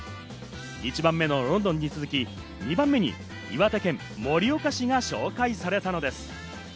１番目のロンドンに続き、２番目に岩手県盛岡市が紹介されたのです。